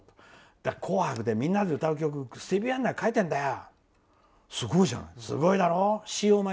だから「紅白」でみんなで歌う曲スティービー・ワンダーが書いてるんだよ！